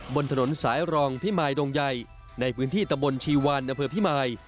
บนถนนสายรองพิมายดงไยในพื้นที่ตะบลชีวานอพิมาย